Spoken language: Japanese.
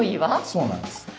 そうなんです。